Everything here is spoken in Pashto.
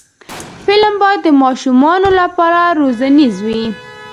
فلم باید د ماشومانو لپاره روزنیز وي